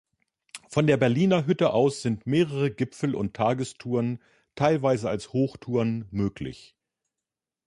Von der Berliner Hütte aus sind mehrere Gipfel- und Tagestouren, teilweise als Hochtouren, möglich.